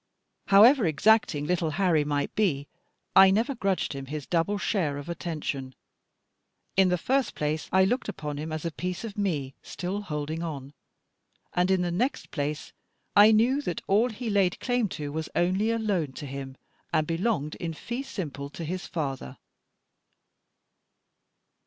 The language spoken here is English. However exacting little Harry might be, I never grudged him his double share of attention. In the first place I looked upon him as a piece of me, still holding on; and, in the next place, I knew that all he laid claim to was only a loan to him, and belonged in fee simple to his father.